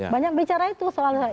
banyak bicara itu soalnya